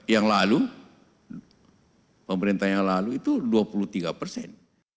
yang lalu pemerintah yang lalu itu dua puluh tiga persen